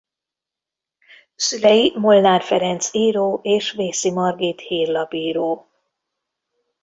Szülei Molnár Ferenc író és Vészi Margit hírlapíró.